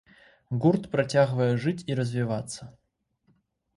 Гурт працягвае жыць і развівацца.